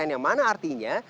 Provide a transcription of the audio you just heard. yang mana artinya